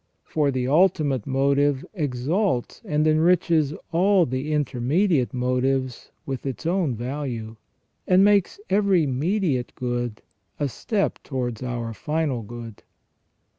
For the ultimate ON JUSTICE AND MORAL EVIL. 207 motive exalts and enriches all the intermediate motives with its own value, and makes every mediate good a step towards our final good.